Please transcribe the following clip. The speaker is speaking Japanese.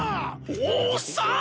おっさん！